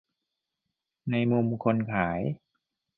ในมุมคนขาย